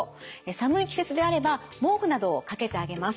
寒い季節であれば毛布などをかけてあげます。